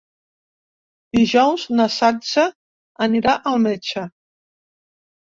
Dijous na Sança anirà al metge.